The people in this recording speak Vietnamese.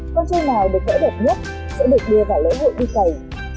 con chơi nào được vẽ đẹp nhất sẽ được đưa vào lễ hội đi cầy